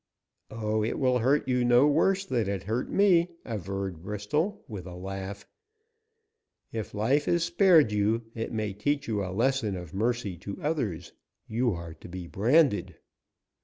"Oh, it will hurt you no worse than it hurt me," averred Bristol, with a laugh. "If life is spared you, it may teach you a lesson of mercy to others. You are to be branded."